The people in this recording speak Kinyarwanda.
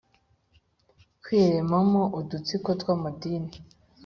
Kwiremamo udutsiko tw amadini